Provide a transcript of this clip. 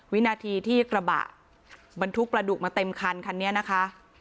วินาทีที่กระบะบรรทุกประดุกมาเต็มคันคันนี้นะคะ